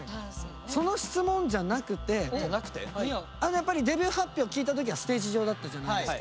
その質問じゃなくてやっぱりデビュー発表聞いた時はステージ上だったじゃないですか。